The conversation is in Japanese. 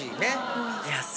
いや。